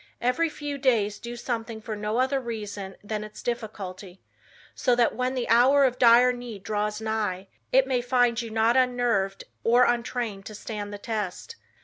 "Every few days do something for no other reason than its difficulty, so that when the hour of dire need draws nigh, it may find you not unnerved or untrained to stand the test.